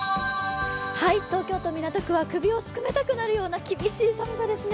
東京都港区は首をすくめたくなるような厳しい寒さですね。